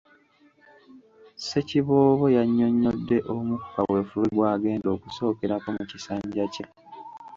Ssekiboobo yannyonnyodde omu ku kaweefube gw’agenda okusookerako mu kisanja kye.